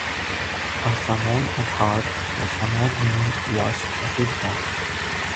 A Samoan at heart, his Samoan name was Tusitala.